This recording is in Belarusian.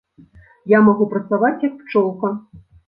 Я магу працаваць, як пчолка.